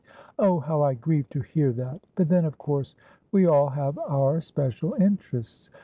"Oh, how I grieve to hear that! But then, of course we all have our special interests.